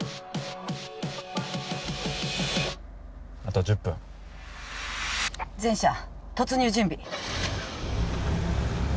あと１０分全車突入準備